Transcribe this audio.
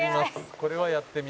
これはやってみたい」